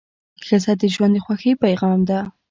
ښځه د ژوند د خوښۍ پېغام ده.